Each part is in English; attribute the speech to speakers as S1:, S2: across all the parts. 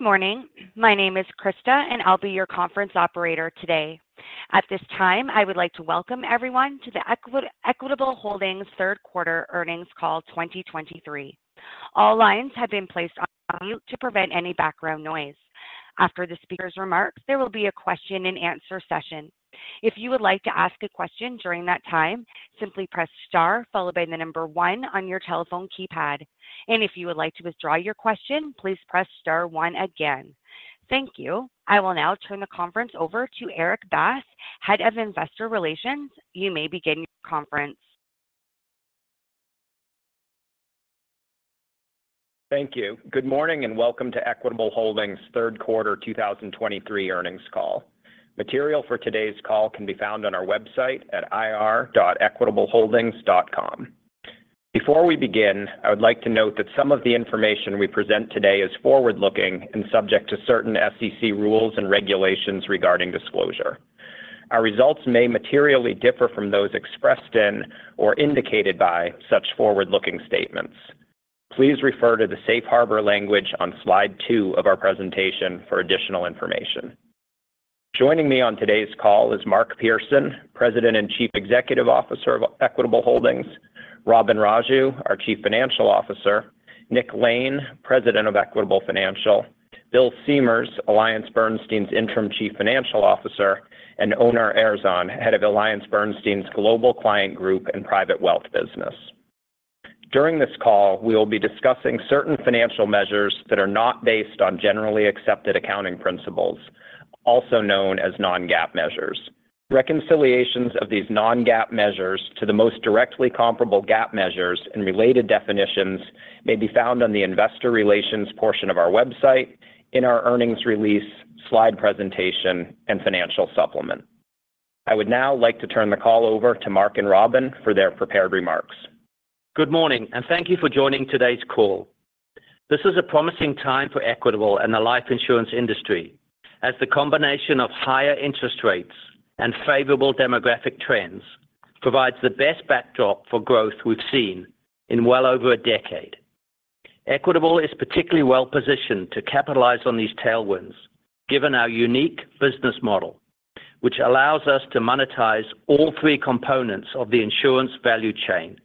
S1: Good morning. My name is Krista, and I'll be your conference operator today. At this time, I would like to welcome everyone to the Equitable Holdings Third Quarter Earnings Call 2023. All lines have been placed on mute to prevent any background noise. After the speaker's remarks, there will be a question and answer session. If you would like to ask a question during that time, simply press star followed by the number one on your telephone keypad. And if you would like to withdraw your question, please press star one again. Thank you. I will now turn the conference over to Erik Bass, Head of Investor Relations. You may begin your conference.
S2: Thank you. Good morning, and welcome to Equitable Holdings Third Quarter 2023 Earnings Call. Material for today's call can be found on our website at ir.equitableholdings.com. Before we begin, I would like to note that some of the information we present today is forward-looking and subject to certain SEC rules and regulations regarding disclosure. Our results may materially differ from those expressed in or indicated by such forward-looking statements. Please refer to the safe harbor language on Slide 2 of our presentation for additional information. Joining me on today's call is Mark Pearson, President and Chief Executive Officer of Equitable Holdings, Robin Raju, our Chief Financial Officer, Nick Lane, President of Equitable Financial, Bill Siemers, AllianceBernstein's Interim Chief Financial Officer, and Onur Erzan, Head of AllianceBernstein's Global Client Group and Private Wealth business. During this call, we will be discussing certain financial measures that are not based on generally accepted accounting principles, also known as non-GAAP measures. Reconciliations of these non-GAAP measures to the most directly comparable GAAP measures and related definitions may be found on the investor relations portion of our website in our earnings release, slide presentation, and financial supplement. I would now like to turn the call over to Mark and Robin for their prepared remarks.
S3: Good morning, and thank you for joining today's call. This is a promising time for Equitable and the life insurance industry, as the combination of higher interest rates and favorable demographic trends provides the best backdrop for growth we've seen in well over a decade. Equitable is particularly well positioned to capitalize on these tailwinds, given our unique business model, which allows us to monetize all three components of the insurance value chain: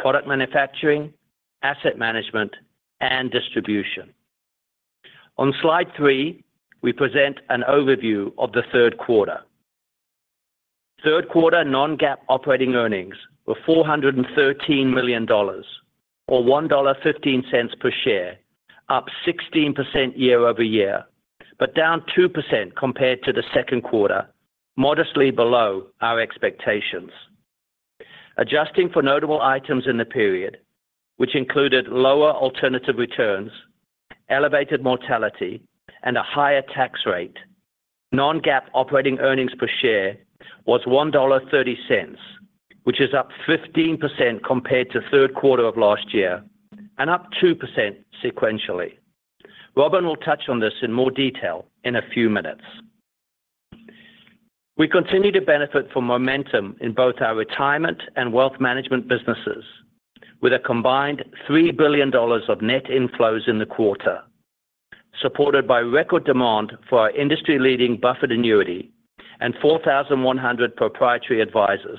S3: product manufacturing, asset management, and distribution. On Slide 3, we present an overview of the third quarter. Third quarter non-GAAP operating earnings were $413 million or $1.15 per share, up 16% year-over-year, but down 2% compared to the second quarter, modestly below our expectations. Adjusting for notable items in the period, which included lower alternative returns, elevated mortality, and a higher tax rate, Non-GAAP operating earnings per share was $1.30, which is up 15% compared to third quarter of last year and up 2% sequentially. Robin will touch on this in more detail in a few minutes. We continue to benefit from momentum in both our retirement and wealth management businesses, with a combined $3 billion of net inflows in the quarter, supported by record demand for our industry-leading buffer annuity and 4,100 proprietary advisors,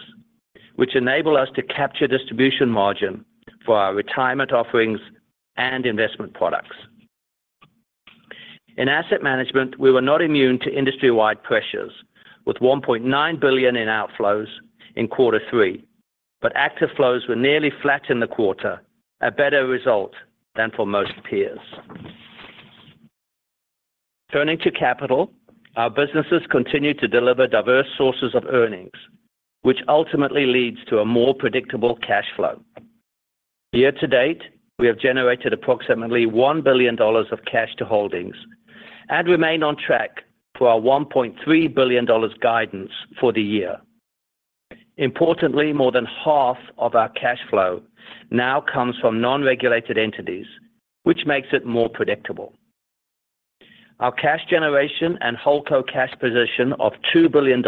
S3: which enable us to capture distribution margin for our retirement offerings and investment products. In asset management, we were not immune to industry-wide pressures, with $1.9 billion in outflows in quarter three, but active flows were nearly flat in the quarter, a better result than for most peers. Turning to capital, our businesses continue to deliver diverse sources of earnings, which ultimately leads to a more predictable cash flow. Year to date, we have generated approximately $1 billion of cash to holdings and remain on track for our $1.3 billion guidance for the year. Importantly, more than half of our cash flow now comes from non-regulated entities, which makes it more predictable. Our cash generation and holdco cash position of $2 billion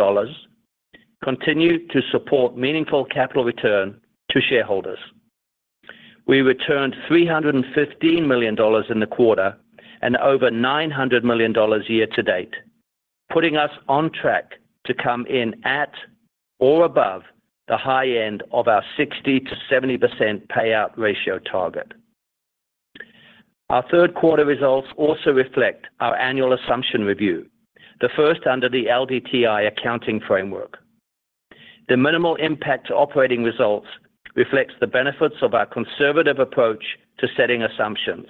S3: continue to support meaningful capital return to shareholders. We returned $315 million in the quarter and over $900 million year to date, putting us on track to come in at or above the high end of our 60%-70% payout ratio target. Our third quarter results also reflect our annual assumption review, the first under the LDTI accounting framework. The minimal impact to operating results reflects the benefits of our conservative approach to setting assumptions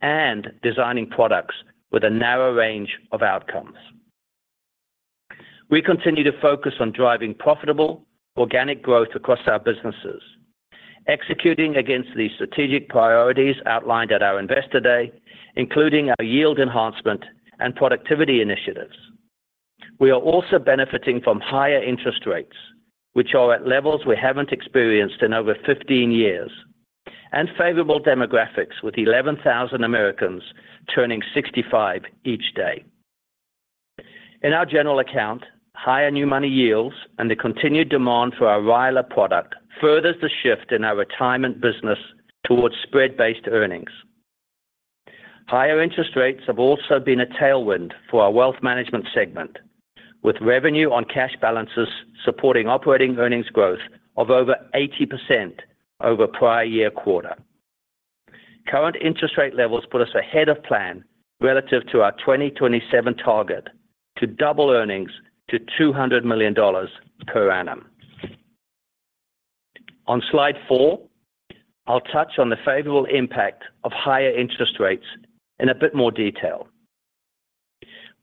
S3: and designing products with a narrow range of outcomes. We continue to focus on driving profitable organic growth across our businesses, executing against the strategic priorities outlined at our Investor Day, including our yield enhancement and productivity initiatives. We are also benefiting from higher interest rates, which are at levels we haven't experienced in over 15 years, and favorable demographics, with 11,000 Americans turning 65 each day. In our general account, higher new money yields and the continued demand for our RILA product furthers the shift in our retirement business towards spread-based earnings. Higher interest rates have also been a tailwind for our wealth management segment, with revenue on cash balances supporting operating earnings growth of over 80% over prior year quarter. Current interest rate levels put us ahead of plan relative to our 2027 target to double earnings to $200 million per annum. On slide four, I'll touch on the favorable impact of higher interest rates in a bit more detail.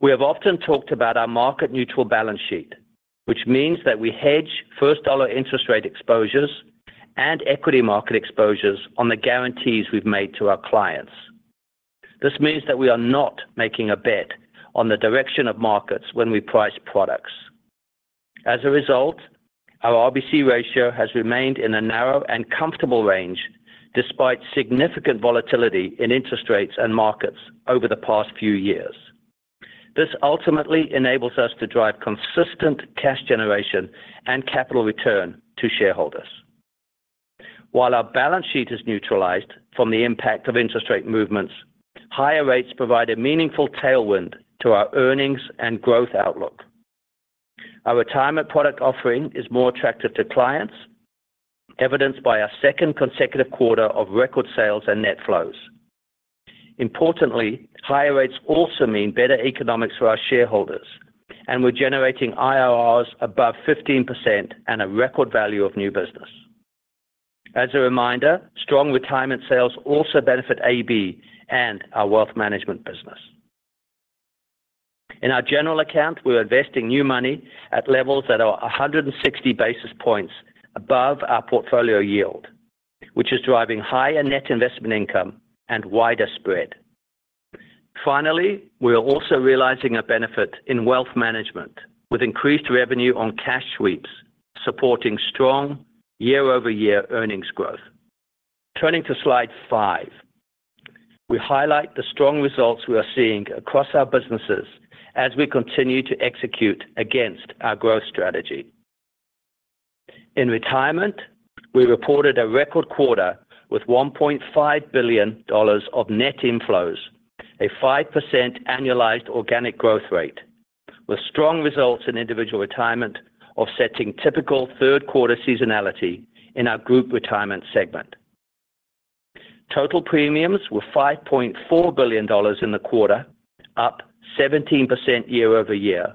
S3: We have often talked about our market neutral balance sheet, which means that we hedge first dollar interest rate exposures and equity market exposures on the guarantees we've made to our clients. This means that we are not making a bet on the direction of markets when we price products. As a result, our RBC ratio has remained in a narrow and comfortable range, despite significant volatility in interest rates and markets over the past few years. This ultimately enables us to drive consistent cash generation and capital return to shareholders. While our balance sheet is neutralized from the impact of interest rate movements, higher rates provide a meaningful tailwind to our earnings and growth outlook. Our retirement product offering is more attractive to clients, evidenced by our second consecutive quarter of record sales and net flows. Importantly, higher rates also mean better economics for our shareholders, and we're generating IRRs above 15% and a record value of new business. As a reminder, strong retirement sales also benefit AB and our wealth management business. In our general account, we're investing new money at levels that are 160 basis points above our portfolio yield, which is driving higher net investment income and wider spread. Finally, we are also realizing a benefit in wealth management, with increased revenue on cash sweeps, supporting strong year-over-year earnings growth. Turning to Slide 5. We highlight the strong results we are seeing across our businesses as we continue to execute against our growth strategy. In retirement, we reported a record quarter with $1.5 billion of net inflows, a 5% annualized organic growth rate, with strong results in individual retirement, offsetting typical third quarter seasonality in our group retirement segment. Total premiums were $5.4 billion in the quarter, up 17% year over year,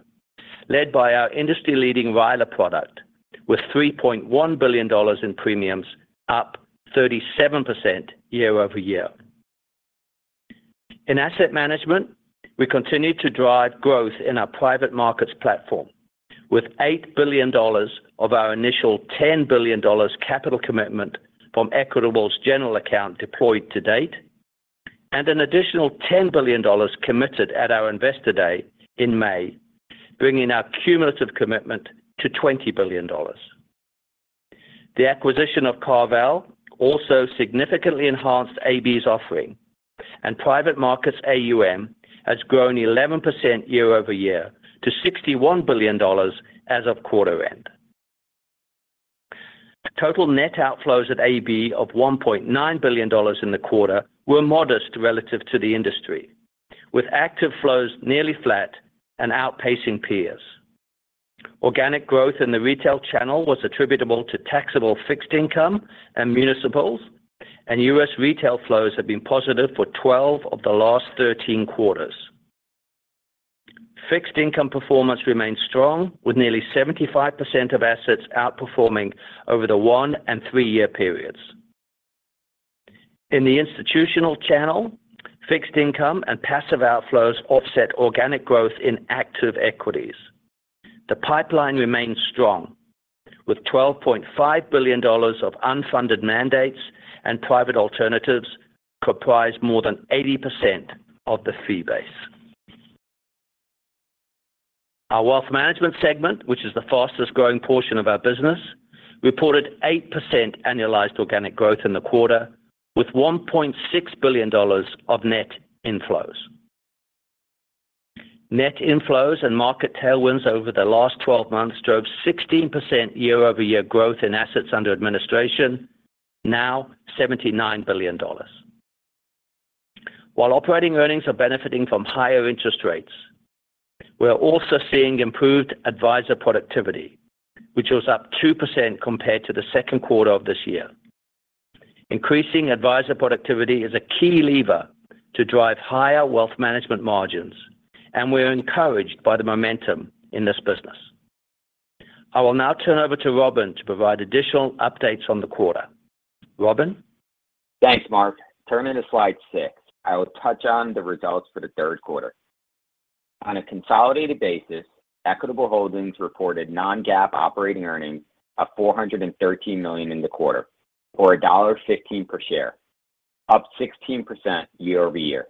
S3: led by our industry-leading RILA product, with $3.1 billion in premiums, up 37% year over year. In asset management, we continued to drive growth in our private markets platform, with $8 billion of our initial $10 billion capital commitment from Equitable's general account deployed to date, and an additional $10 billion committed at our Investor Day in May, bringing our cumulative commitment to $20 billion. The acquisition of CarVal also significantly enhanced AB's offering, and private markets AUM has grown 11% year-over-year to $61 billion as of quarter end. Total net outflows at AB of $1.9 billion in the quarter were modest relative to the industry, with active flows nearly flat and outpacing peers. Organic growth in the retail channel was attributable to taxable fixed income and municipals, and U.S. retail flows have been positive for 12 of the last 13 quarters. Fixed income performance remains strong, with nearly 75% of assets outperforming over the one- and three-year periods. In the institutional channel, fixed income and passive outflows offset organic growth in active equities. The pipeline remains strong, with $12.5 billion of unfunded mandates and private alternatives comprise more than 80% of the fee base. Our wealth management segment, which is the fastest-growing portion of our business, reported 8% annualized organic growth in the quarter, with $1.6 billion of net inflows. Net inflows and market tailwinds over the last 12 months drove 16% year-over-year growth in assets under administration, now $79 billion. While operating earnings are benefiting from higher interest rates, we are also seeing improved advisor productivity, which was up 2% compared to the second quarter of this year. Increasing advisor productivity is a key lever to drive higher wealth management margins, and we are encouraged by the momentum in this business. I will now turn over to Robin to provide additional updates on the quarter. Robin?
S4: Thanks, Mark. Turning to slide six, I will touch on the results for the third quarter. On a consolidated basis, Equitable Holdings reported non-GAAP operating earnings of $413 million in the quarter, or $1.15 per share, up 16% year-over-year.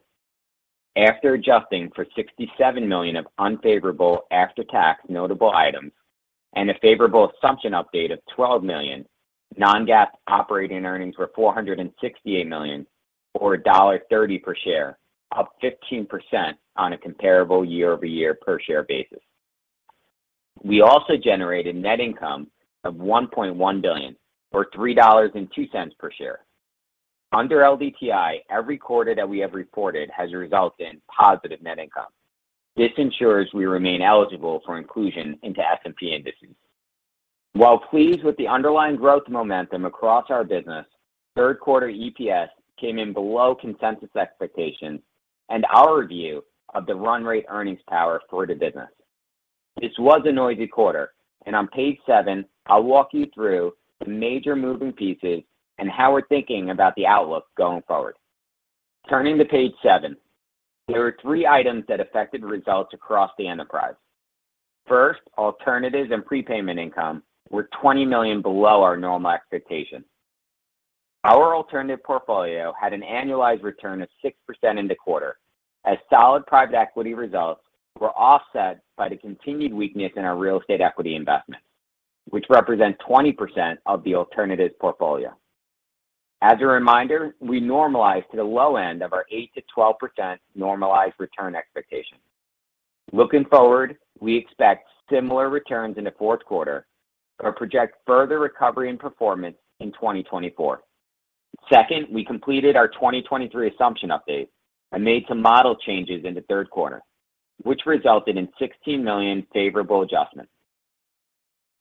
S4: After adjusting for $67 million of unfavorable after-tax notable items, and a favorable assumption update of $12 million, non-GAAP operating earnings were $468 million, or $1.30 per share, up 15% on a comparable year-over-year per share basis. We also generated net income of $1.1 billion or $3.02 per share. Under LDTI, every quarter that we have reported has resulted in positive net income. This ensures we remain eligible for inclusion into S&P indices. While pleased with the underlying growth momentum across our business, third quarter EPS came in below consensus expectations and our view of the run rate earnings power for the business. This was a noisy quarter, and on page seven, I'll walk you through the major moving pieces and how we're thinking about the outlook going forward. Turning to page seven, there are three items that affected results across the enterprise. First, alternatives and prepayment income were $20 million below our normal expectations. Our alternative portfolio had an annualized return of 6% in the quarter, as solid private equity results were offset by the continued weakness in our real estate equity investments, which represent 20% of the alternatives portfolio. As a reminder, we normalize to the low end of our 8%-12% normalized return expectation. Looking forward, we expect similar returns in the fourth quarter, but project further recovery and performance in 2024. Second, we completed our 2023 assumption update and made some model changes in the third quarter, which resulted in $16 million favorable adjustments.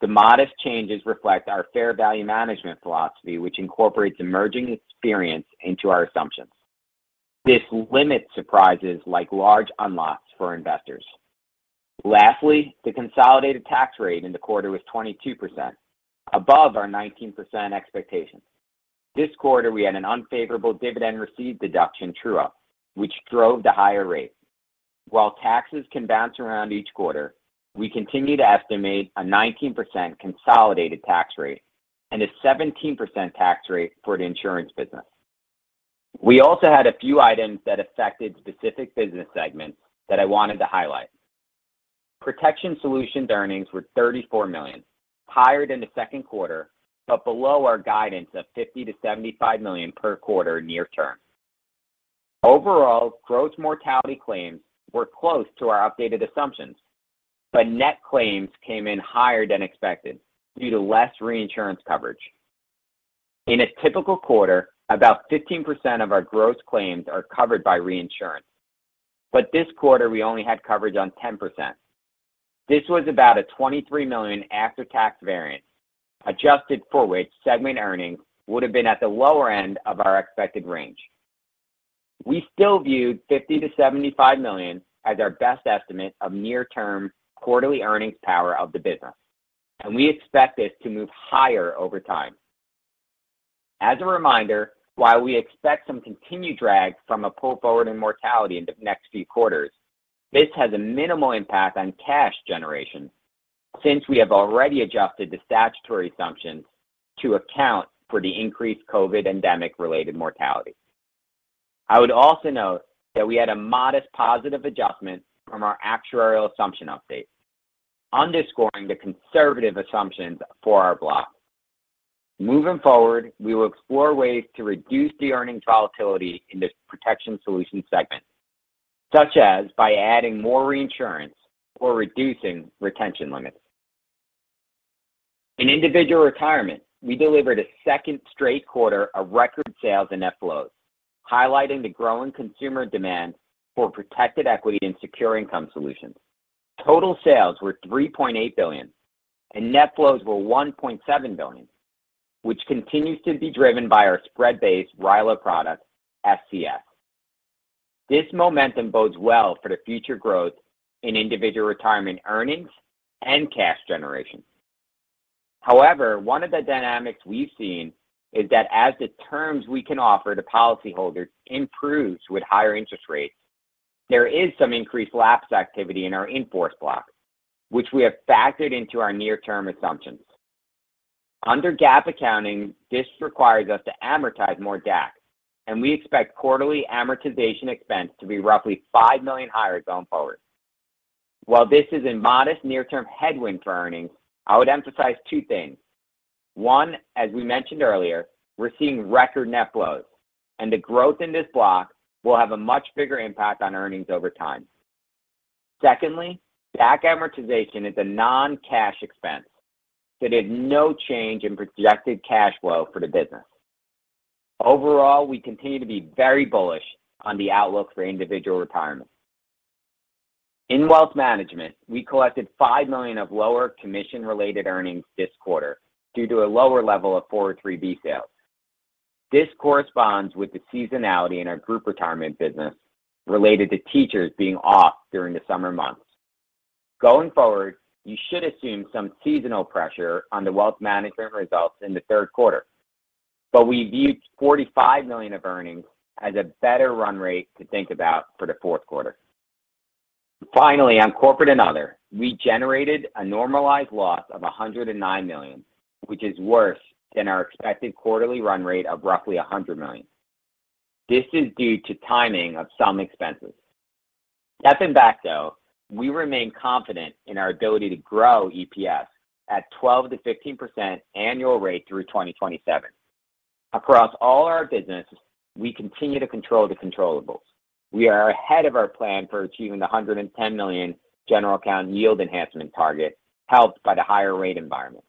S4: The modest changes reflect our fair value management philosophy, which incorporates emerging experience into our assumptions. This limits surprises like large unlocks for investors. Lastly, the consolidated tax rate in the quarter was 22%, above our 19% expectation. This quarter, we had an unfavorable dividend received deduction true-up, which drove the higher rate. While taxes can bounce around each quarter, we continue to estimate a 19% consolidated tax rate and a 17% tax rate for the insurance business. We also had a few items that affected specific business segments that I wanted to highlight. Protection Solutions earnings were $34 million, higher than the second quarter, but below our guidance of $50-$75 million per quarter near term. Overall, gross mortality claims were close to our updated assumptions, but net claims came in higher than expected due to less reinsurance coverage. In a typical quarter, about 15% of our gross claims are covered by reinsurance, but this quarter, we only had coverage on 10%. This was about a $23 million after-tax variance, adjusted for which segment earnings would have been at the lower end of our expected range. We still view $50-$75 million as our best estimate of near term quarterly earnings power of the business, and we expect this to move higher over time. As a reminder, while we expect some continued drag from a pull forward in mortality in the next few quarters, this has a minimal impact on cash generation, since we have already adjusted the statutory assumptions to account for the increased COVID endemic-related mortality. I would also note that we had a modest positive adjustment from our actuarial assumption update, underscoring the conservative assumptions for our block. Moving forward, we will explore ways to reduce the earnings volatility in the Protection Solutions segment, such as by adding more reinsurance or reducing retention limits. In individual retirement, we delivered a second straight quarter of record sales and net flows, highlighting the growing consumer demand for protected equity and secure income solutions. Total sales were $3.8 billion, and net flows were $1.7 billion, which continues to be driven by our spread-based RILA product, SCS. This momentum bodes well for the future growth in individual retirement earnings and cash generation. However, one of the dynamics we've seen is that as the terms we can offer to policyholders improves with higher interest rates, there is some increased lapse activity in our in-force block, which we have factored into our near-term assumptions. Under GAAP accounting, this requires us to amortize more DAC, and we expect quarterly amortization expense to be roughly $5 million higher going forward. While this is a modest near-term headwind for earnings, I would emphasize two things. One, as we mentioned earlier, we're seeing record net flows, and the growth in this block will have a much bigger impact on earnings over time. Secondly, DAC amortization is a non-cash expense that has no change in projected cash flow for the business. Overall, we continue to be very bullish on the outlook for individual retirement. In wealth management, we collected $5 million of lower commission-related earnings this quarter due to a lower level of 403(b) sales. This corresponds with the seasonality in our group retirement business related to teachers being off during the summer months. Going forward, you should assume some seasonal pressure on the wealth management results in the third quarter, but we viewed $45 million of earnings as a better run rate to think about for the fourth quarter. Finally, on corporate and other, we generated a normalized loss of $109 million, which is worse than our expected quarterly run rate of roughly $100 million. This is due to timing of some expenses. Stepping back though, we remain confident in our ability to grow EPS at 12%-15% annual rate through 2027. Across all our businesses, we continue to control the controllables. We are ahead of our plan for achieving the $110 million general account yield enhancement target, helped by the higher rate environment.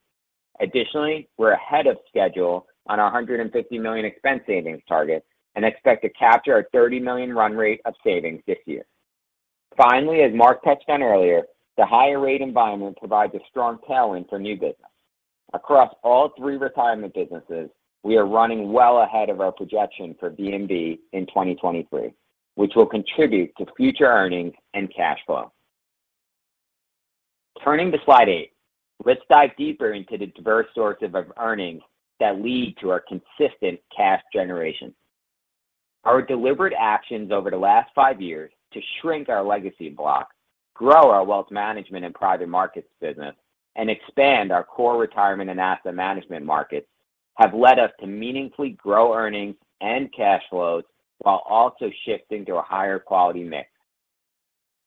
S4: Additionally, we're ahead of schedule on our $150 million expense savings target and expect to capture a $30 million run rate of savings this year. Finally, as Mark touched on earlier, the higher rate environment provides a strong tailwind for new business. Across all three retirement businesses, we are running well ahead of our projection for VNB in 2023, which will contribute to future earnings and cash flow. Turning to Slide 8, let's dive deeper into the diverse sources of earnings that lead to our consistent cash generation. Our deliberate actions over the last five years to shrink our legacy block, grow our wealth management and private markets business, and expand our core retirement and asset management markets, have led us to meaningfully grow earnings and cash flows while also shifting to a higher quality mix.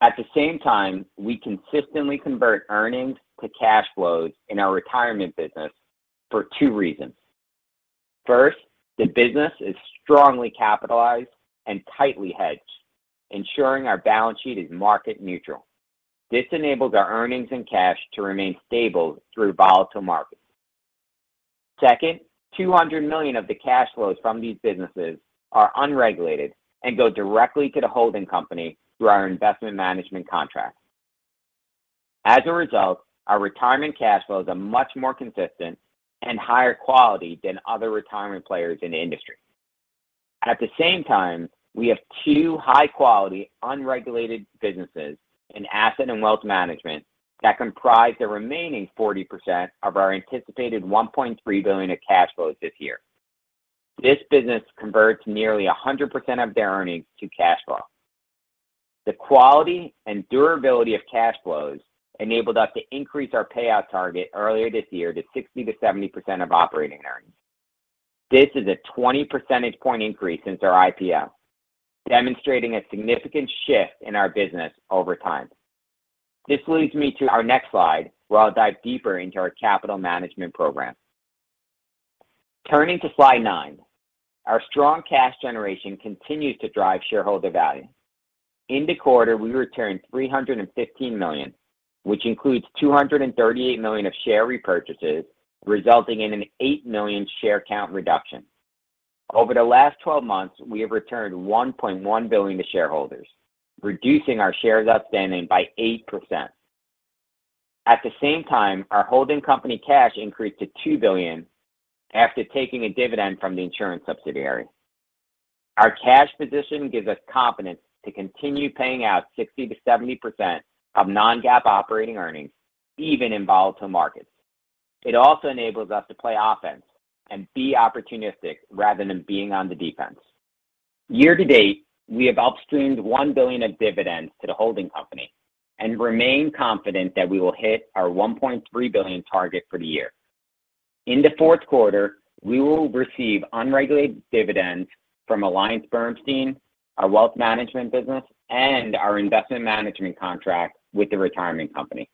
S4: At the same time, we consistently convert earnings to cash flows in our retirement business for two reasons: First, the business is strongly capitalized and tightly hedged, ensuring our balance sheet is market neutral. This enables our earnings and cash to remain stable through volatile markets. Second, $200 million of the cash flows from these businesses are unregulated and go directly to the holding company through our investment management contract. As a result, our retirement cash flows are much more consistent and higher quality than other retirement players in the industry. At the same time, we have two high-quality, unregulated businesses in asset and wealth management that comprise the remaining 40% of our anticipated $1.3 billion of cash flows this year. This business converts nearly 100% of their earnings to cash flow. The quality and durability of cash flows enabled us to increase our payout target earlier this year to 60%-70% of operating earnings. This is a 20 percentage point increase since our IPO, demonstrating a significant shift in our business over time. This leads me to our next slide, where I'll dive deeper into our capital management program. Turning to Slide 9, our strong cash generation continues to drive shareholder value. In the quarter, we returned $315 million, which includes $238 million of share repurchases, resulting in an 8 million share count reduction. Over the last 12 months, we have returned $1.1 billion to shareholders, reducing our shares outstanding by 8%. At the same time, our holding company cash increased to $2 billion after taking a dividend from the insurance subsidiary. Our cash position gives us confidence to continue paying out 60%-70% of non-GAAP operating earnings, even in volatile markets. It also enables us to play offense and be opportunistic rather than being on the defense. Year to date, we have upstreamed $1 billion of dividends to the holding company and remain confident that we will hit our $1.3 billion target for the year. In the fourth quarter, we will receive unregulated dividends from AllianceBernstein, our wealth management business, and our investment management contract with the retirement company.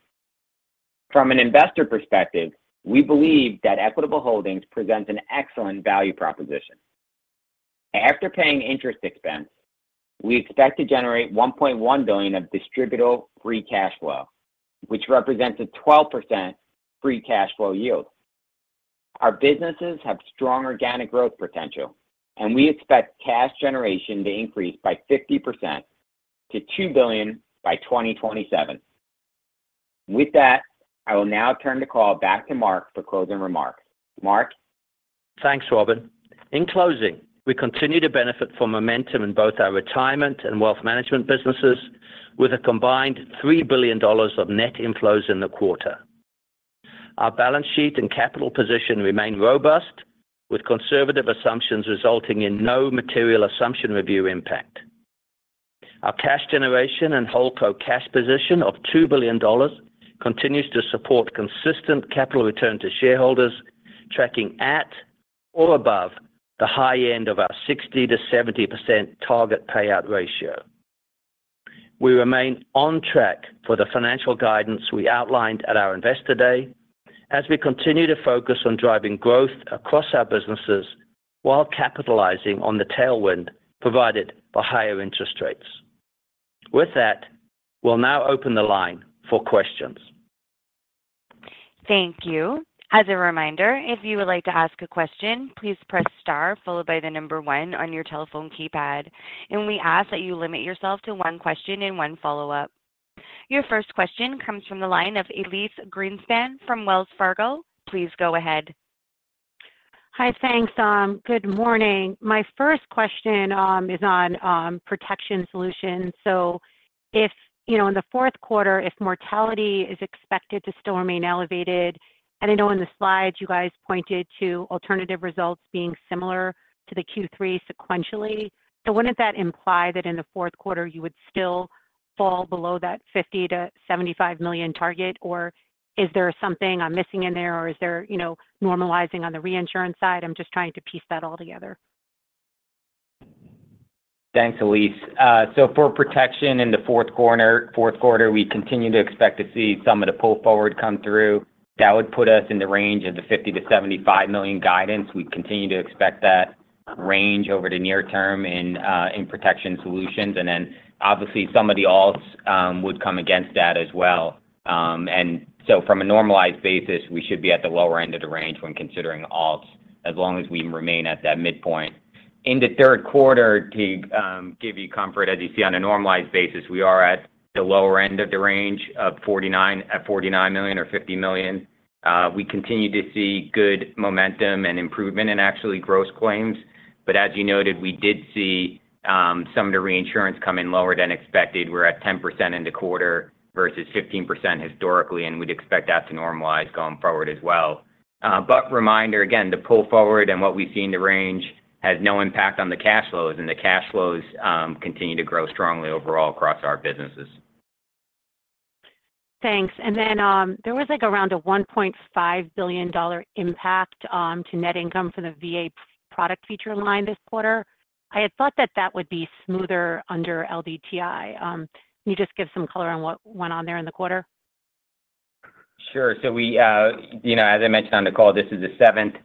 S4: From an investor perspective, we believe that Equitable Holdings presents an excellent value proposition. After paying interest expense, we expect to generate $1.1 billion of distributable free cash flow, which represents a 12% free cash flow yield. Our businesses have strong organic growth potential, and we expect cash generation to increase by 50% to $2 billion by 2027. With that, I will now turn the call back to Mark for closing remarks. Mark?
S3: Thanks, Robin. In closing, we continue to benefit from momentum in both our retirement and wealth management businesses with a combined $3 billion of net inflows in the quarter. Our balance sheet and capital position remain robust, with conservative assumptions resulting in no material assumption review impact. Our cash generation and Holdco cash position of $2 billion continues to support consistent capital return to shareholders, tracking at or above the high end of our 60%-70% target payout ratio. We remain on track for the financial guidance we outlined at our Investor Day as we continue to focus on driving growth across our businesses while capitalizing on the tailwind provided by higher interest rates. With that, we'll now open the line for questions.
S1: Thank you. As a reminder, if you would like to ask a question, please press star followed by the number one on your telephone keypad, and we ask that you limit yourself to one question and one follow-up. Your first question comes from the line of Elyse Greenspan from Wells Fargo. Please go ahead.
S5: Hi. Thanks, good morning. My first question is on Protection Solutions. So if, you know, in the fourth quarter, if mortality is expected to still remain elevated, and I know in the slides you guys pointed to alternative results being similar to the Q3 sequentially, so wouldn't that imply that in the fourth quarter you would still fall below that $50 million-$75 million target? Or is there something I'm missing in there, or is there, you know, normalizing on the reinsurance side? I'm just trying to piece that all together....
S4: Thanks, Elise. So for protection in the fourth quarter, we continue to expect to see some of the pull forward come through. That would put us in the range of the $50 million-$75 million guidance. We continue to expect that range over the near term in Protection Solutions, and then obviously some of the alts would come against that as well. And so from a normalized basis, we should be at the lower end of the range when considering alts, as long as we remain at that midpoint. In the third quarter, to give you comfort, as you see on a normalized basis, we are at the lower end of the range of 49, at $49 million or $50 million. We continue to see good momentum and improvement in actually gross claims. But as you noted, we did see some of the reinsurance come in lower than expected. We're at 10% in the quarter versus 15% historically, and we'd expect that to normalize going forward as well. But reminder, again, the pull forward and what we see in the range has no impact on the cash flows, and the cash flows continue to grow strongly overall across our businesses.
S5: Thanks. And then, there was, like, around a $1.5 billion impact to net income for the VA product feature line this quarter. I had thought that that would be smoother under LDTI. Can you just give some color on what went on there in the quarter?
S4: Sure. So we, you know, as I mentioned on the call, this is the seventh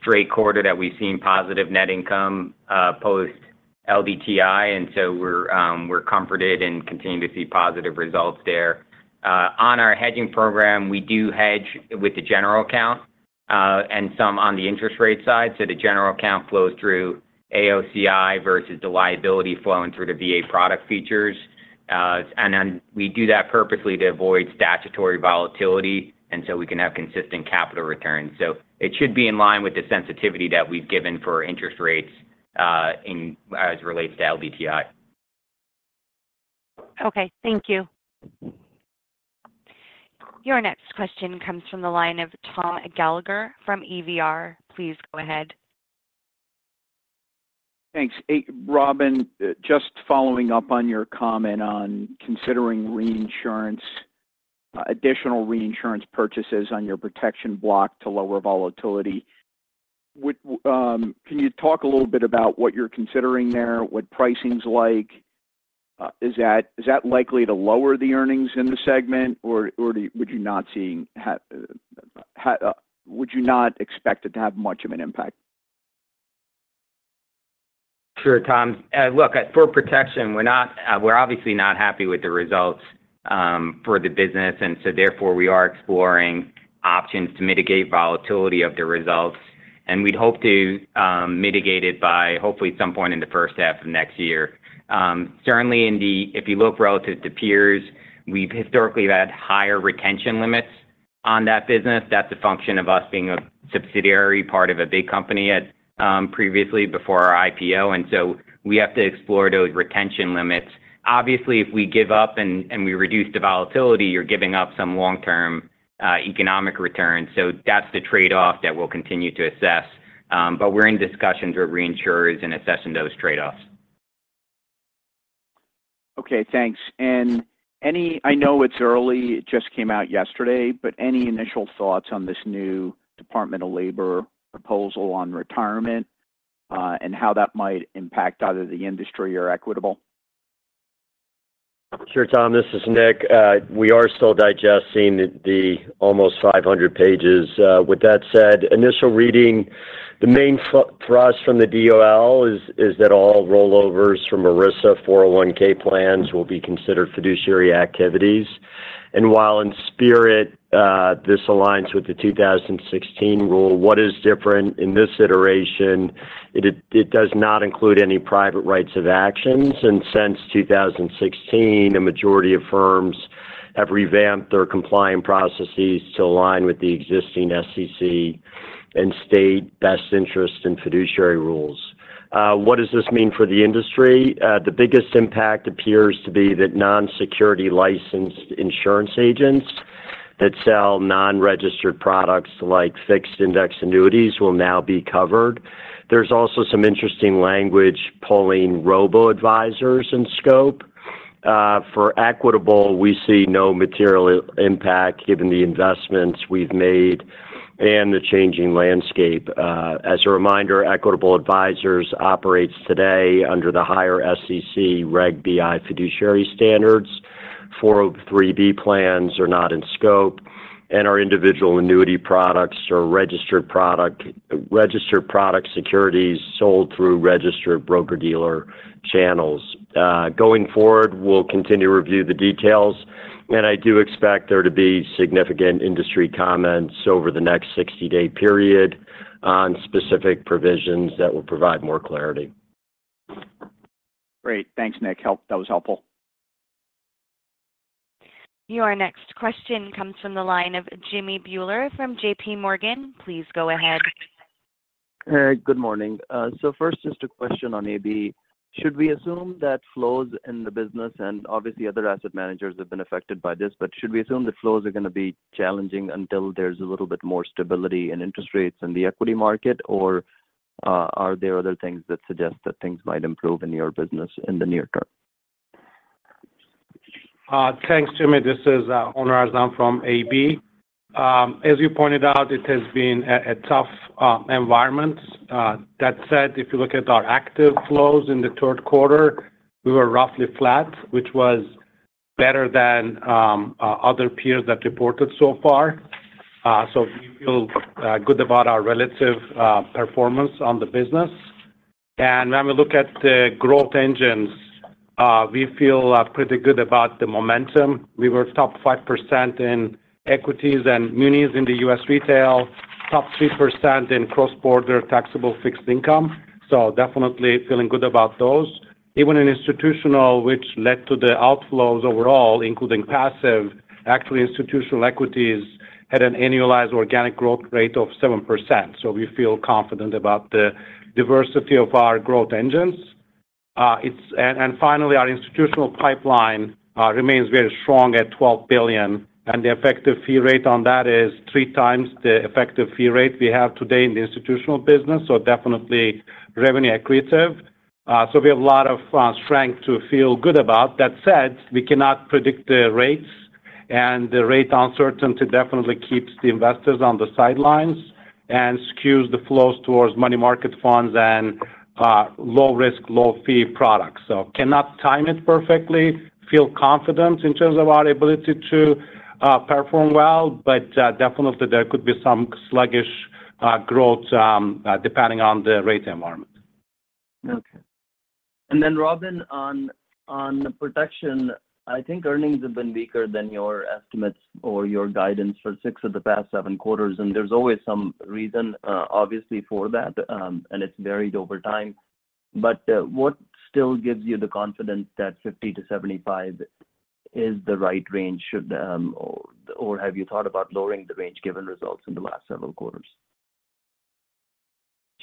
S4: straight quarter that we've seen positive net income post LDTI, and so we're, we're comforted and continuing to see positive results there. On our hedging program, we do hedge with the general account, and some on the interest rate side. So the general account flows through AOCI versus the liability flowing through the VA product features. And then we do that purposely to avoid statutory volatility, and so we can have consistent capital returns. So it should be in line with the sensitivity that we've given for interest rates, in as it relates to LDTI.
S5: Okay, thank you.
S1: Your next question comes from the line of Tom Gallagher from EVR. Please go ahead.
S6: Thanks. Hey, Robin, just following up on your comment on considering reinsurance, additional reinsurance purchases on your protection block to lower volatility. Would, can you talk a little bit about what you're considering there? What pricing's like? Is that, is that likely to lower the earnings in the segment, or, or do- would you not seeing have, how, would you not expect it to have much of an impact?
S4: Sure, Tom. Look, at for protection, we're not, we're obviously not happy with the results, for the business, and so therefore, we are exploring options to mitigate volatility of the results, and we'd hope to, mitigate it by hopefully at some point in the first half of next year. Certainly in the... If you look relative to peers, we've historically had higher retention limits on that business. That's a function of us being a subsidiary part of a big company at, previously, before our IPO, and so we have to explore those retention limits. Obviously, if we give up and, and we reduce the volatility, you're giving up some long-term, economic returns. So that's the trade-off that we'll continue to assess, but we're in discussions with reinsurers and assessing those trade-offs.
S6: Okay, thanks. And I know it's early, it just came out yesterday, but any initial thoughts on this new Department of Labor proposal on retirement, and how that might impact either the industry or Equitable?
S7: Sure, Tom, this is Nick. We are still digesting the almost 500 pages. With that said, initial reading, the main for us from the DOL is that all rollovers from ERISA 401 plans will be considered fiduciary activities. And while in spirit, this aligns with the 2016 rule, what is different in this iteration, it does not include any private rights of actions, and since 2016, a majority of firms have revamped their compliance processes to align with the existing SEC and state best interest and fiduciary rules. What does this mean for the industry? The biggest impact appears to be that non-securities licensed insurance agents that sell non-registered products, like fixed index annuities, will now be covered. There's also some interesting language pulling robo-advisors in scope. For Equitable, we see no material impact given the investments we've made and the changing landscape. As a reminder, Equitable Advisors operates today under the higher SEC Reg BI fiduciary standards. 403(b) plans are not in scope, and our individual annuity products are registered product, registered product securities sold through registered broker-dealer channels. Going forward, we'll continue to review the details, and I do expect there to be significant industry comments over the next 60-day period on specific provisions that will provide more clarity.
S6: Great. Thanks, Nick. That was helpful.
S1: Your next question comes from the line of Jimmy Bhullar from JPMorgan. Please go ahead.
S8: Good morning. So first, just a question on AB. Should we assume that flows in the business, and obviously other asset managers have been affected by this, but should we assume that flows are going to be challenging until there's a little bit more stability in interest rates in the equity market? Or, are there other things that suggest that things might improve in your business in the near term? ...
S9: Thanks, Jimmy. This is Onur Erzan from AB. As you pointed out, it has been a tough environment. That said, if you look at our active flows in the third quarter, we were roughly flat, which was better than other peers that reported so far. So we feel good about our relative performance on the business. And when we look at the growth engines, we feel pretty good about the momentum. We were top 5% in equities and munis in the U.S. retail, top 3% in cross-border taxable fixed income. So definitely feeling good about those. Even in institutional, which led to the outflows overall, including passive, actually, institutional equities had an annualized organic growth rate of 7%, so we feel confident about the diversity of our growth engines. It's and finally, our institutional pipeline remains very strong at $12 billion, and the effective fee rate on that is 3x the effective fee rate we have today in the institutional business, so definitely revenue accretive. So we have a lot of strength to feel good about. That said, we cannot predict the rates, and the rate uncertainty definitely keeps the investors on the sidelines and skews the flows towards money market funds and low risk, low fee products. So cannot time it perfectly, feel confident in terms of our ability to perform well, but definitely there could be some sluggish growth depending on the rate environment.
S8: Okay. And then, Robin, on protection, I think earnings have been weaker than your estimates or your guidance for six of the past seven quarters, and there's always some reason, obviously, for that, and it's varied over time. But what still gives you the confidence that 50-75 is the right range? Should or have you thought about lowering the range given results in the last several quarters?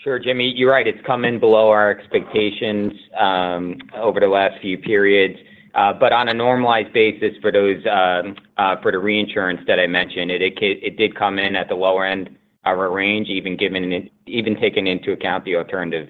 S4: Sure, Jimmy. You're right, it's come in below our expectations over the last few periods. But on a normalized basis for those for the reinsurance that I mentioned, it did come in at the lower end of our range, even taking into account the alternative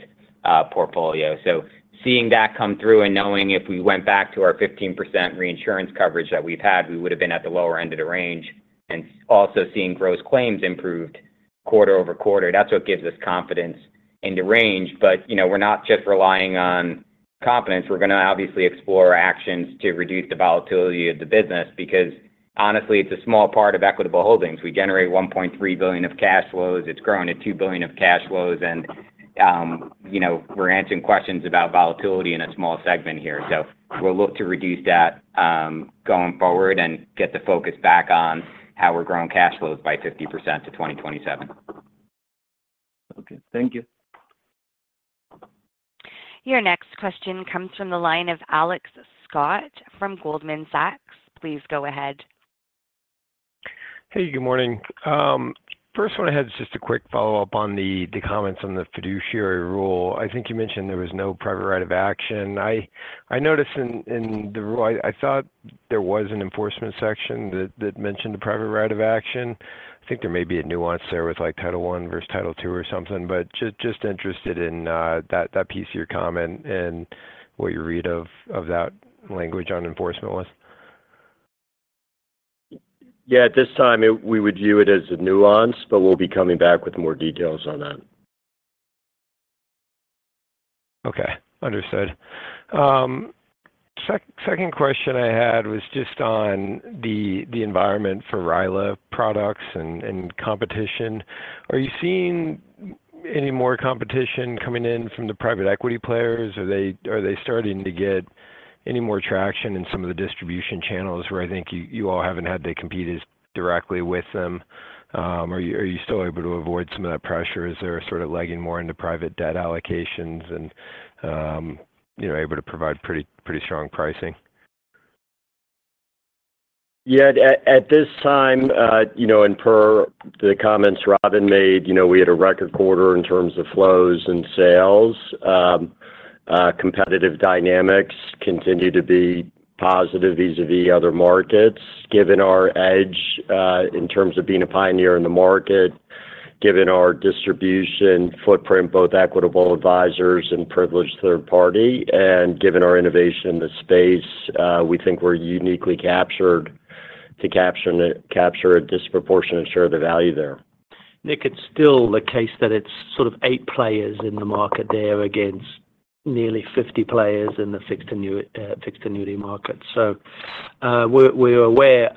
S4: portfolio. So seeing that come through and knowing if we went back to our 15% reinsurance coverage that we've had, we would've been at the lower end of the range. And also seeing gross claims improved quarter-over-quarter, that's what gives us confidence in the range. But, you know, we're not just relying on confidence. We're going to obviously explore actions to reduce the volatility of the business, because honestly, it's a small part of Equitable Holdings. We generate $1.3 billion of cash flows. It's grown to $2 billion of cash flows, and, you know, we're answering questions about volatility in a small segment here. So we'll look to reduce that, going forward and get the focus back on how we're growing cash flows by 50% to 2027.
S10: Okay. Thank you.
S1: Your next question comes from the line of Alex Scott from Goldman Sachs. Please go ahead.
S11: Hey, good morning. First one I had is just a quick follow-up on the comments on the fiduciary rule. I think you mentioned there was no private right of action. I noticed in the rule, I thought there was an enforcement section that mentioned the private right of action. I think there may be a nuance there with, like, Title I versus Title II or something, but just interested in that piece of your comment and what you read of that language on enforcement was.
S7: Yeah, at this time, we would view it as a nuance, but we'll be coming back with more details on that.
S11: Okay, understood. Second question I had was just on the, the environment for RILA products and, and competition. Are you seeing any more competition coming in from the private equity players? Are they, are they starting to get any more traction in some of the distribution channels where I think you, you all haven't had to compete as directly with them? Are you, are you still able to avoid some of that pressure? Is there a sort of legging more into private debt allocations and, you know, able to provide pretty, pretty strong pricing?
S7: Yeah, at this time, you know, and per the comments Robin made, you know, we had a record quarter in terms of flows and sales. Competitive dynamics continue to be positive vis-a-vis other markets. Given our edge in terms of being a pioneer in the market, given our distribution footprint, both Equitable Advisors and privileged third party, and given our innovation in the space, we think we're uniquely captured to capture a disproportionate share of the value there.
S9: Nick, it's still the case that it's sort of 8 players in the market there against nearly 50 players in the fixed annuity market. So, we're aware,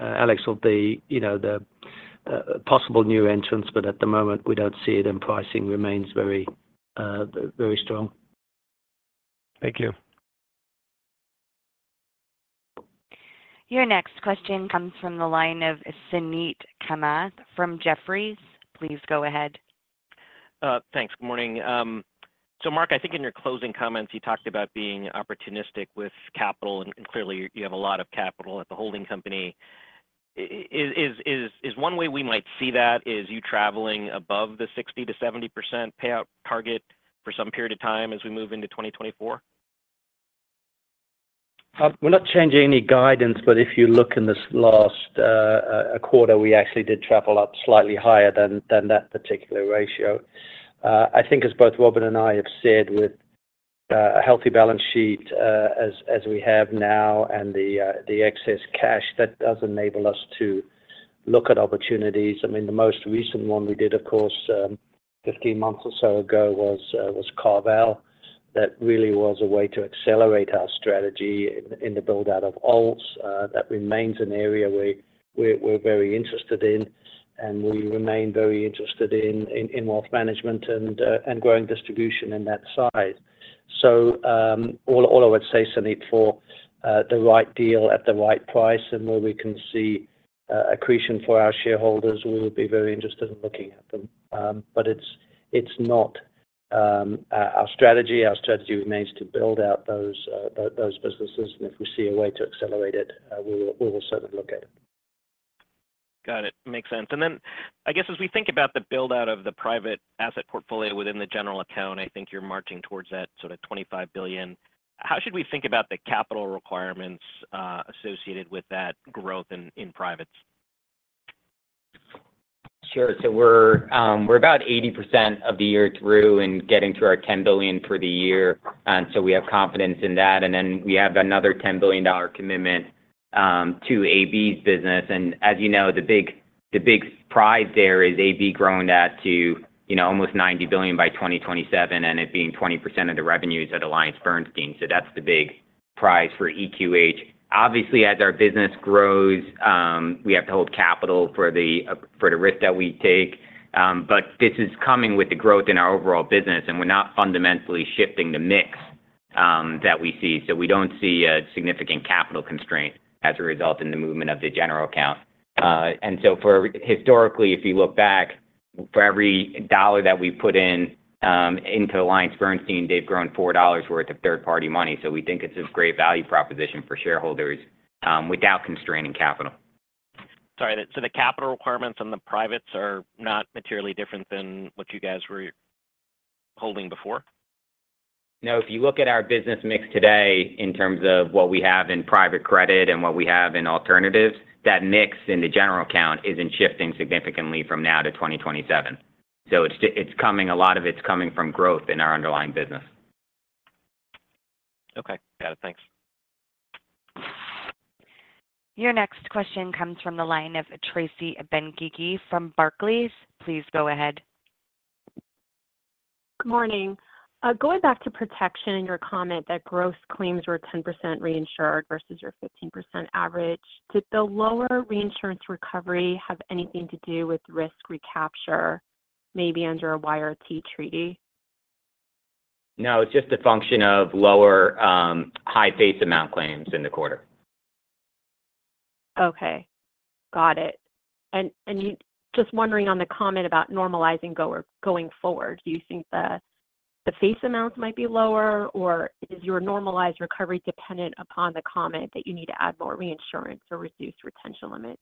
S9: Alex, of the, you know, the possible new entrants, but at the moment, we don't see it, and pricing remains very, very strong.
S11: Thank you.
S1: Your next question comes from the line of Suneet Kamath from Jefferies. Please go ahead.
S10: Thanks. Good morning. So, Mark, I think in your closing comments, you talked about being opportunistic with capital, and clearly you have a lot of capital at the holding company. Is one way we might see that is you traveling above the 60%-70% payout target for some period of time as we move into 2024?
S9: We're not changing any guidance, but if you look in this last quarter, we actually did travel up slightly higher than that particular ratio....
S3: I think as both Robin and I have said, with a healthy balance sheet, as we have now and the excess cash, that does enable us to look at opportunities. I mean, the most recent one we did, of course, 15 months or so ago, was CarVal. That really was a way to accelerate our strategy in the build-out of ALTS. That remains an area we're very interested in, and we remain very interested in wealth management and growing distribution in that size. So, all I would say, Suneet, for the right deal at the right price, and where we can see accretion for our shareholders, we would be very interested in looking at them. But it's not our strategy. Our strategy remains to build out those, those businesses, and if we see a way to accelerate it, we will, we will certainly look at it.
S12: Got it. Makes sense. And then, I guess as we think about the build-out of the private asset portfolio within the general account, I think you're marching towards that sort of $25 billion. How should we think about the capital requirements associated with that growth in privates?
S4: Sure. So we're, we're about 80% of the year through in getting to our $10 billion for the year, and so we have confidence in that, and then we have another $10 billion commitment to AB's business. And as you know, the big, the big prize there is AB growing that to, you know, almost $90 billion by 2027, and it being 20% of the revenues at AllianceBernstein. So that's the big prize for EQH. Obviously, as our business grows, we have to hold capital for the, for the risk that we take, but this is coming with the growth in our overall business, and we're not fundamentally shifting the mix, that we see. So we don't see a significant capital constraint as a result in the movement of the general account. And so, historically, if you look back, for every dollar that we put in into AllianceBernstein, they've grown four dollars' worth of third-party money. So we think it's a great value proposition for shareholders, without constraining capital.
S12: Sorry, so the capital requirements on the privates are not materially different than what you guys were holding before?
S4: No, if you look at our business mix today, in terms of what we have in private credit and what we have in alternatives, that mix in the general account isn't shifting significantly from now to 2027. So it's coming, a lot of it's coming from growth in our underlying business.
S12: Okay. Got it. Thanks.
S1: Your next question comes from the line of Tracy Benguigui from Barclays. Please go ahead.
S13: Good morning. Going back to protection and your comment that gross claims were 10% reinsured versus your 15% average, did the lower reinsurance recovery have anything to do with risk recapture, maybe under a YRT treaty?
S4: No, it's just a function of lower, high face amount claims in the quarter.
S13: Okay. Got it. And just wondering on the comment about normalizing going forward, do you think the face amounts might be lower, or is your normalized recovery dependent upon the comment that you need to add more reinsurance or reduced retention limits?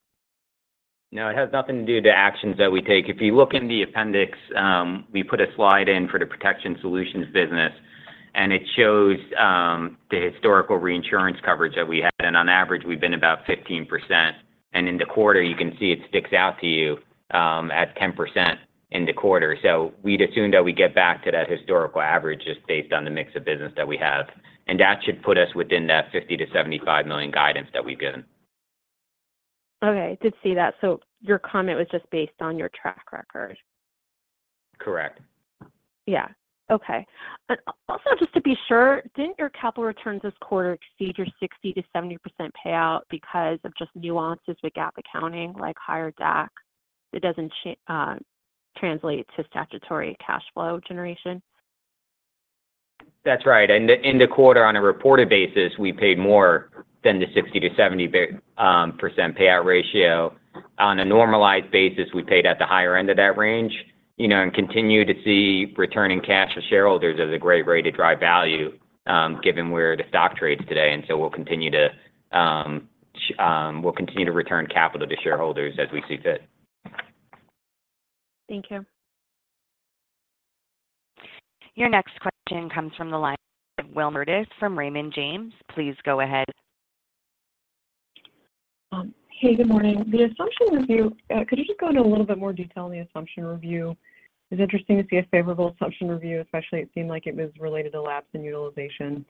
S4: No, it has nothing to do with the actions that we take. If you look in the appendix, we put a slide in for the Protection Solutions business, and it shows the historical reinsurance coverage that we had. And on average, we've been about 15%. And in the quarter, you can see it sticks out to you at 10% in the quarter. So we'd assume that we get back to that historical average just based on the mix of business that we have. And that should put us within that $50 million-$75 million guidance that we've given.
S13: Okay, I did see that. So your comment was just based on your track record?
S4: Correct.
S13: Yeah. Okay. But also, just to be sure, didn't your capital returns this quarter exceed your 60%-70% payout because of just nuances with GAAP accounting, like higher DAC? It doesn't translate to statutory cash flow generation.
S4: That's right. In the quarter, on a reported basis, we paid more than the 60%-70% payout ratio. On a normalized basis, we paid at the higher end of that range, you know, and continue to see returning cash to shareholders as a great way to drive value, given where the stock trades today. So we'll continue to return capital to shareholders as we see fit.
S13: Thank you.
S1: Your next question comes from the line of Wilma Burdis from Raymond James. Please go ahead.
S12: Hey, good morning. The assumption review, could you just go into a little bit more detail on the assumption review? It's interesting to see a favorable assumption review, especially it seemed like it was related to lapse in utilization.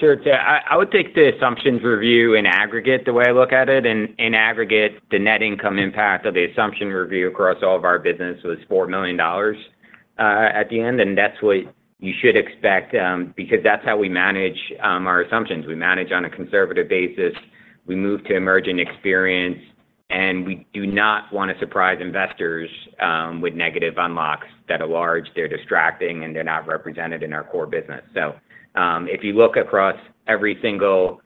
S4: Sure. So I, I would take the assumptions review in aggregate, the way I look at it. In, in aggregate, the net income impact of the assumption review across all of our business was $4 million at the end, and that's what you should expect, because that's how we manage our assumptions. We manage on a conservative basis, we move to emerging experience, and we do not want to surprise investors with negative unlocks that are large, they're distracting, and they're not represented in our core business. So, if you look across every single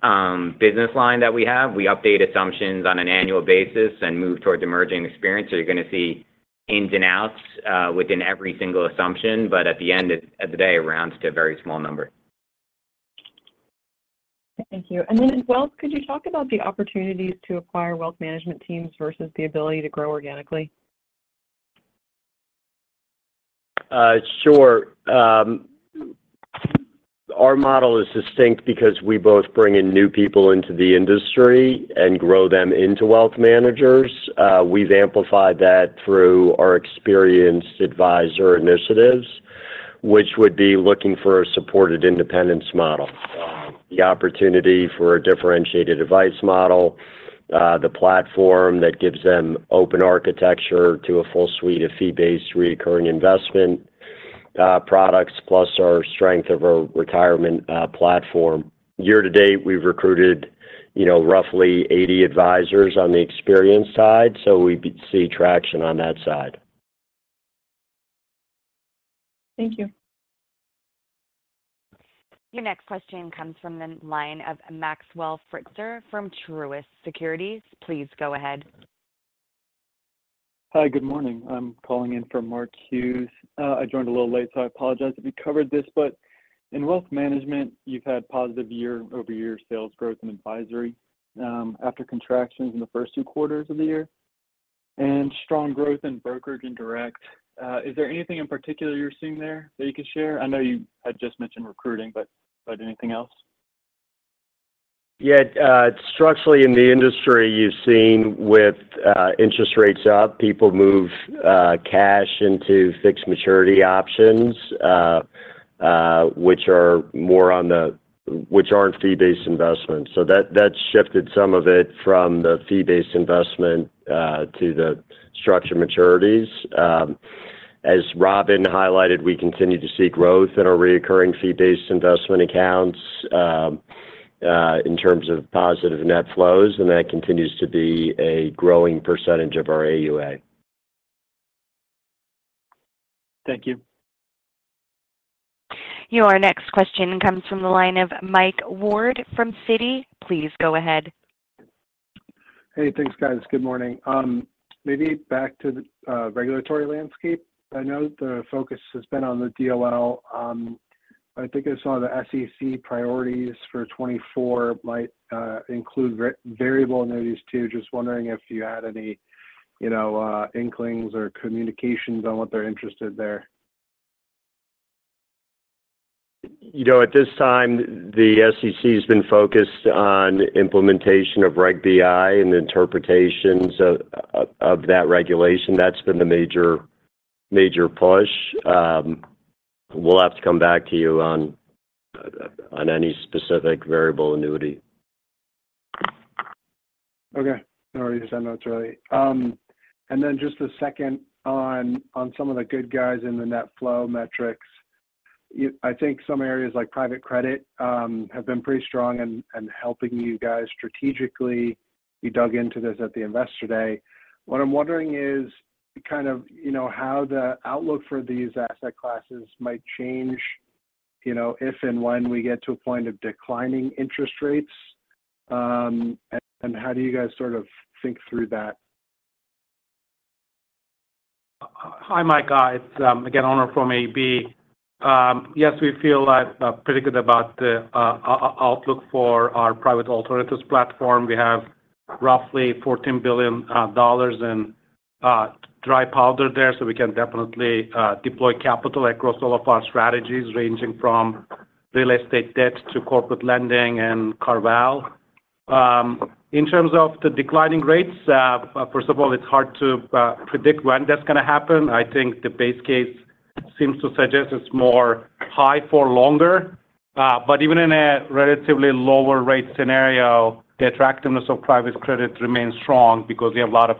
S4: business line that we have, we update assumptions on an annual basis and move towards emerging experience. So you're going to see ins and outs within every single assumption, but at the end of the day, it rounds to a very small number.
S12: Thank you. And then as well, could you talk about the opportunities to acquire wealth management teams versus the ability to grow organically?...
S7: Sure. Our model is distinct because we both bring in new people into the industry and grow them into wealth managers. We've amplified that through our experienced advisor initiatives, which would be looking for a supported independence model. The opportunity for a differentiated advice model, the platform that gives them open architecture to a full suite of fee-based, recurring investment products, plus our strength of our retirement platform. Year to date, we've recruited, you know, roughly 80 advisors on the experienced side, so we see traction on that side.
S1: Thank you. Your next question comes from the line of Maxwell Fritscher from Truist Securities. Please go ahead.
S14: Hi, good morning. I'm calling in for Mark Hughes. I joined a little late, so I apologize if you covered this, but in wealth management, you've had positive year-over-year sales growth and advisory, after contractions in the first two quarters of the year, and strong growth in brokerage and direct. Is there anything in particular you're seeing there that you could share? I know you had just mentioned recruiting, but, but anything else?
S7: Yeah, structurally in the industry, you've seen with interest rates up, people move cash into fixed maturity options, which aren't fee-based investments. So that, that's shifted some of it from the fee-based investment to the structured maturities. As Robin highlighted, we continue to see growth in our recurring fee-based investment accounts, in terms of positive net flows, and that continues to be a growing percentage of our AUA.
S14: Thank you.
S1: Your next question comes from the line of Mike Ward from Citi. Please go ahead.
S15: Hey, thanks, guys. Good morning. Maybe back to the regulatory landscape. I know the focus has been on the DOL. I think I saw the SEC priorities for 2024 might include variable annuities, too. Just wondering if you had any, you know, inklings or communications on what they're interested there.
S7: You know, at this time, the SEC has been focused on implementation of Reg BI and the interpretations of, of that regulation. That's been the major, major push. We'll have to come back to you on, on any specific variable annuity.
S15: Okay. No worries, I know it's early. And then just a second on some of the good guys in the net flow metrics. I think some areas like private credit have been pretty strong in helping you guys strategically. You dug into this at the Investor Day. What I'm wondering is, kind of, you know, how the outlook for these asset classes might change, you know, if and when we get to a point of declining interest rates, and how do you guys sort of think through that?
S9: Hi, Mike, it's again, Onur from AB. Yes, we feel pretty good about the outlook for our private alternatives platform. We have roughly $14 billion in dry powder there, so we can definitely deploy capital across all of our strategies, ranging from real estate debt to corporate lending and CarVal. In terms of the declining rates, first of all, it's hard to predict when that's going to happen. I think the base case seems to suggest it's more high for longer. But even in a relatively lower rate scenario, the attractiveness of private credit remains strong because we have a lot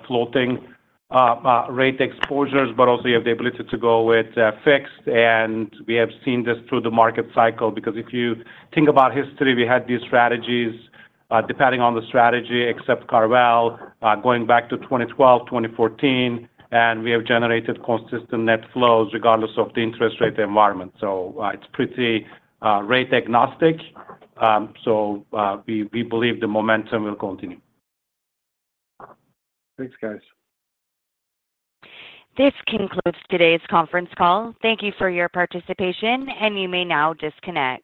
S9: of floating rate exposures, but also you have the ability to go with fixed. We have seen this through the market cycle, because if you think about history, we had these strategies, depending on the strategy, except CarVal, going back to 2012, 2014, and we have generated consistent net flows regardless of the interest rate environment. So, it's pretty rate agnostic. So, we believe the momentum will continue.
S15: Thanks, guys.
S1: This concludes today's conference call. Thank you for your participation, and you may now disconnect.